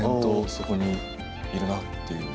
そこにいるなっていう。